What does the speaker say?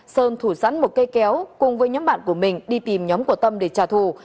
sơn thủ sẵn một cây kéo cùng với nhóm bạn của mình đi tìm nhóm của tâm để trả thù